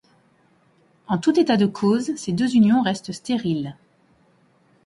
En tout état de cause ses deux unions restent stériles.